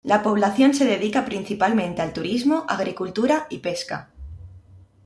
La población se dedica principalmente al turismo, agricultura y pesca.